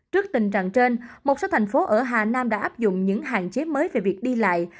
trước tình trạng trên một số thành phố ở hà nam đã áp dụng những hạn chế mới về việc đi lại